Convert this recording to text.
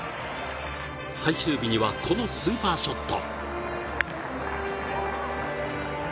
最終日にはこのスーパーショット。